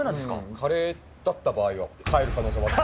カレーだった場合は帰る可能性もある。